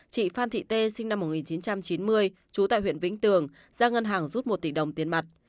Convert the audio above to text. chị phan thị tê sinh năm một nghìn chín trăm chín mươi trú tại huyện vĩnh tường ra ngân hàng rút một tỷ đồng tiền mặt